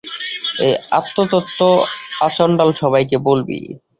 এই আত্মতত্ত্ব আচণ্ডাল সবাইকে বলবি।